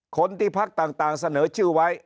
คนที่พักต่างเสนอชื่อไว้